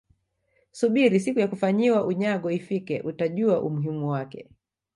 subiri siku ya kufanyiwa unyago ifike utajua umuhimu wake